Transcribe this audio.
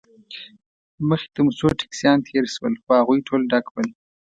مخې ته مو څو ټکسیان تېر شول، خو هغوی ټول ډک ول.